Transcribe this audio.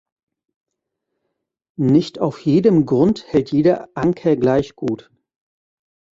Nicht auf jedem Grund hält jeder Anker gleich gut.